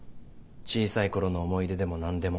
小さいころの思い出でも何でも。